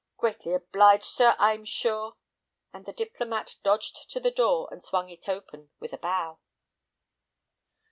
Greatly obliged, sir, I'm sure," and the diplomat dodged to the door and swung it open with a bow.